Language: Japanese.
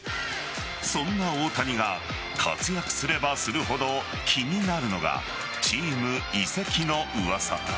そんな大谷が活躍すればするほど気になるのが、チーム移籍の噂。